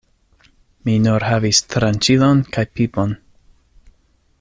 Mi nur havis tranĉilon kaj pipon.